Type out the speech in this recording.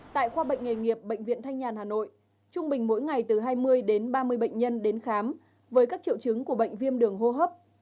tại khoa bệnh nghề nghiệp bệnh viện thanh nhàn hà nội trung bình mỗi ngày từ hai mươi đến ba mươi bệnh nhân đến khám với các triệu chứng của bệnh viêm đường hô hấp